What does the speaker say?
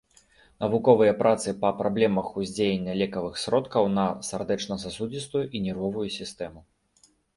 Навуковыя працы па праблемах уздзеяння лекавых сродкаў на сардэчна-сасудзістую і нервовую сістэму.